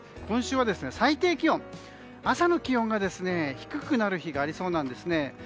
今週は最低気温、朝の気温が低くなる日がありそうなんですね。